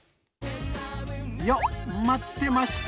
よっ待ってました。